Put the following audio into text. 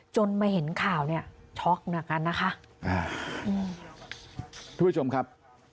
มาเห็นข่าวเนี่ยช็อกหนักกันนะคะอ่าอืมทุกผู้ชมครับ